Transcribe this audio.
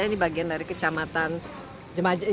ini bagian dari kecamatan jemajang